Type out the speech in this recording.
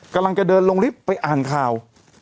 กำลังจะเดินลงลิฟต์ไปอ่านข่าว